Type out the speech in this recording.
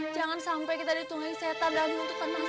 jangan sampai kita ditungguin setan dalam menentukan masalah ya